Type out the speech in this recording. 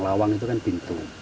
lawang itu kan pintu